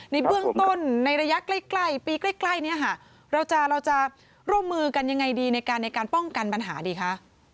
ในเบื้องต้นในระยะใกล้ปีใกล้เนี่ยค่ะเราจะร่วมมือกันยังไงดีในการในการป้องกันปัญหาดีคะ